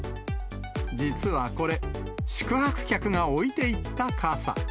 実はこれ、宿泊客が置いていった傘。